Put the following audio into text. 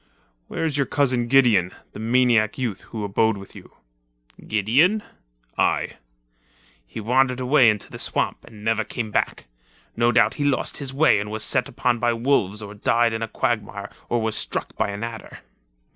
"Where is your cousin Gideon, the maniac youth who abode with you?" "Gideon?" "Aye." "He wandered away into the swamp and never came back. No doubt he lost his way and was set upon by wolves or died in a quagmire or was struck by an adder."